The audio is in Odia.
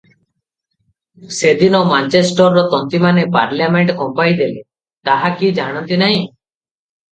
ସେଦିନ ମାଞ୍ଚେଷ୍ଟରର ତନ୍ତିମାନେ ପାର୍ଲିଆମେଣ୍ଟ କମ୍ପାଇଦେଲେ, ତାହା କି ଜାଣନ୍ତି ନାହିଁ?